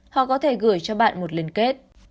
họ có thể gửi cho bạn một liên kết